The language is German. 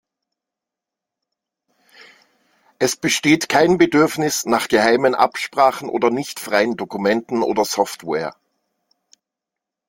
Es besteht kein Bedürfnis nach geheimen Absprachen oder nicht freien Dokumenten oder Software.